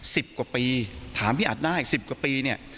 สิบกว่าปีถามพี่อัดได้สิบกว่าปีเนี่ย